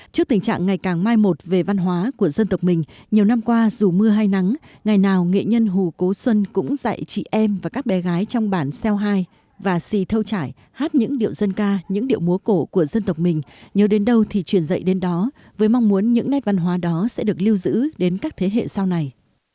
trước tình trạng ngày càng mai một về văn hóa của dân tộc mình nhiều năm qua dù mưa hay nắng ngày nào nghệ nhân hù cố xuân cũng dạy chị em và các bé gái trong bản xeo hai và si thâu trải hát những điệu dân ca những điệu múa cổ của dân tộc mình nhớ đến đâu thì truyền dạy đến đó với mong muốn những nét văn hóa đó sẽ được lưu giữ đến các thế hệ sau này